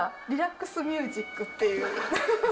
リラックスミュージックっていう。